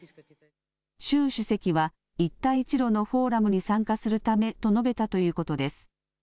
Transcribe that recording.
習主席は一帯一路のフォーラムに参加するためと述べたということです。